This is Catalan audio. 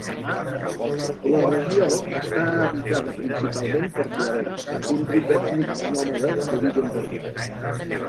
La regió està habitada principalment per tuaregs, un grup ètnic nòmada d'origen berber.